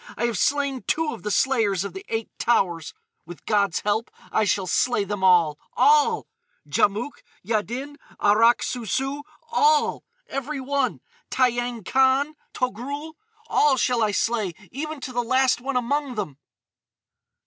I have slain two of the Slayers of the Eight Towers. With God's help I shall slay them all—all!—Djamouk, Yaddin, Arrak Sou Sou—all!—every one!—Tiyang Khan, Togrul,—all shall I slay, even to the last one among them!"